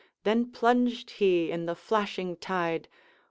Then plunged he in the flashing tide.